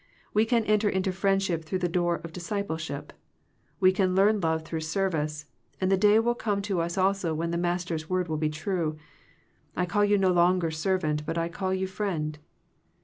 We can enter into Friendship through the door of Discipleship ; we can learn love through service; and the day will come to us also when the Mas ter's word will be true, "I call you no longer servant, but I call you friend."